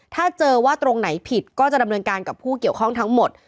ถ้าเจอว่าตรงไหนผิดก็จะดำเนินการกับผู้เกี่ยวข้องทั้งหมด